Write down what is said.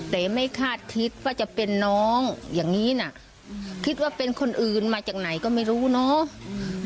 แต่ไม่คาดคิดว่าจะเป็นน้องอย่างนี้น่ะคิดว่าเป็นคนอื่นมาจากไหนก็ไม่รู้เนาะ